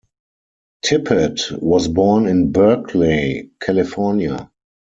Tippett was born in Berkeley, California.